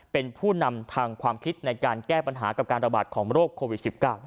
เป็นผู้นำทางความคิดในการแก้ปัญหากับการระบาดของโรคโควิด๑๙